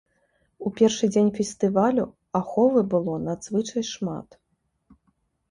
У першы дзень фестывалю аховы было надзвычай шмат.